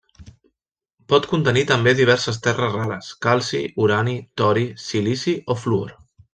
Pot contenir també diverses terres rares, calci, urani, tori, silici o fluor.